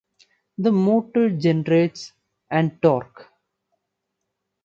The motor generates and torque.